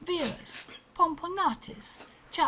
Wierus, Pomponatis, cap.